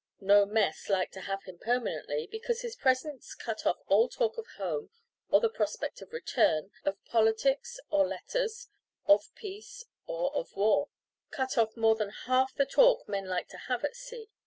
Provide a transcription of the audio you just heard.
No mess liked to have him permanently, because his presence cut off all talk of home or the prospect of return, of politics or letters, of peace or of war cut off more than half the talk men liked to have at sea.